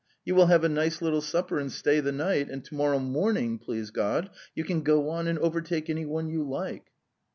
You will have a nice little supper and stay the night, and to morrow morning, please God, you can go on and overtake anyone you like."